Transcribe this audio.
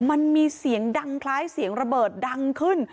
มันมีเสียงดังคล้ายเสียงระเบิดดังขึ้น